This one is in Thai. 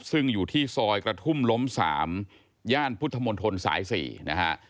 ซึ่งอยู่ที่ซอยกระทุ่มล้ม๓ย่านพุทธมนตรสาย๔นะฮะ